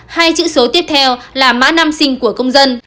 hai chữ số tiếp theo là mã nam sinh của công dân